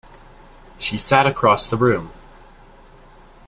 She sat across the room.